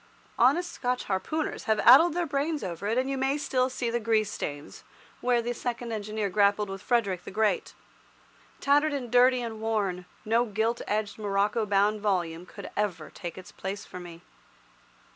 Honest Scotch harpooners have addled their brains over it, and you may still see the grease stains where the second engineer grappled with Frederick the Great. Tattered and dirty and worn, no gilt edged morocco bound volume could ever take its place for me.